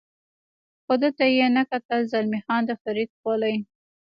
خو ده ته یې نه کتل، زلمی خان د فرید خولۍ.